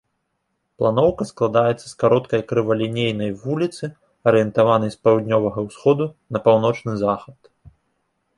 Планоўка складаецца з кароткай крывалінейнай вуліцы, арыентаванай з паўднёвага ўсходу на паўночны захад.